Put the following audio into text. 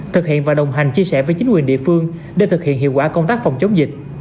thực hiện và đồng hành chia sẻ với chính quyền địa phương để thực hiện hiệu quả công tác phòng chống dịch